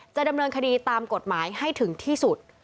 จะดำเนินคดีตามกฎหมายให้ถึงที่สุด